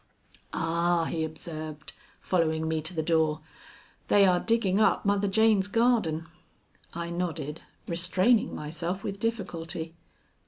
"Ah," he observed, following me to the door, "they are digging up Mother Jane's garden." I nodded, restraining myself with difficulty.